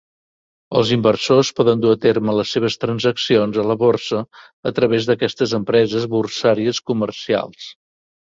Els inversors poden dur a terme les seves transaccions a la borsa a través d'aquestes empreses borsàries comercials.